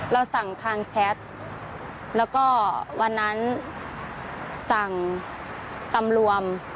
เราสั่งทางแชทแล้วก็วันนั้นสั่งตำรวจ